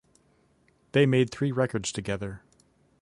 They made three records together.